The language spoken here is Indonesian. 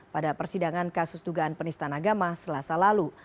pada persidangan kasus dugaan penistan agama selasa lalu